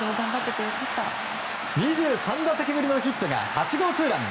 ２３打席ぶりのヒットが８号ツーラン！